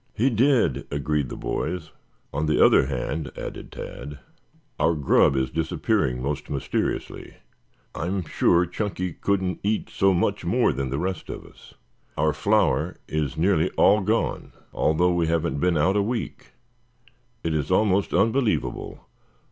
"He did," agreed the boys. "On the other hand," added Tad, "our grub is disappearing most mysteriously. I am sure Chunky couldn't eat so much more than the rest of us. Our flour is nearly all gone, though we haven't been out a week. It is almost unbelievable.